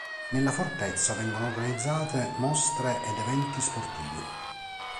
Nella fortezza vengono organizzate mostre ed eventi sportivi.